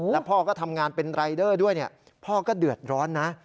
แล้วพ่อก็ทำงานเป็นรายเดอร์ด้วยพ่อก็เดือดร้อนนะ